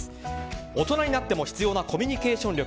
大人になっても必要なコミュニケーション力